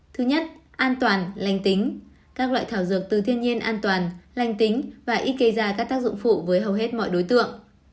thứ nhất an toàn lành tính các loại thảo dược từ thiên nhiên an toàn lành tính và ít gây ra các tác dụng phụ với hầu hết mọi đối tượng